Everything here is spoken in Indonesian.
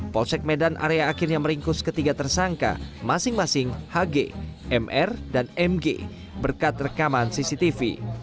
polsek medan area akhirnya meringkus ketiga tersangka masing masing hg mr dan mg berkat rekaman cctv